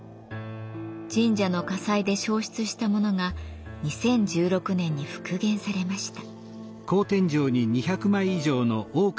神社の火災で焼失したものが２０１６年に復元されました。